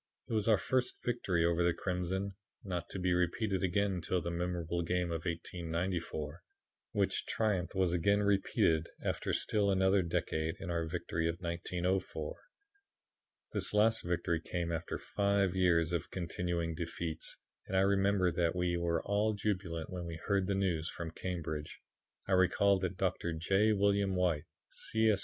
It was our first victory over the Crimson, not to be repeated again until the memorable game of 1894, which triumph was again repeated, after still another decade, in our great victory of 1904. This last victory came after five years of continuing defeats, and I remember that we were all jubilant when we heard the news from Cambridge. I recall that Dr. J. William White, C. S.